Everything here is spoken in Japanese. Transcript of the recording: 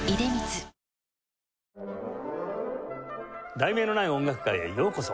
『題名のない音楽会』へようこそ。